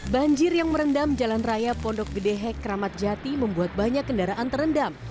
banjir yang merendam jalan raya pondok gedehek ramadjati membuat banyak kendaraan terendam